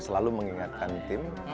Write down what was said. selalu mengingatkan tim